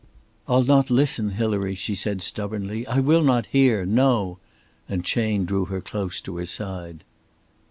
"I'll not listen, Hilary," she said stubbornly. "I will not hear! No"; and Chayne drew her close to his side.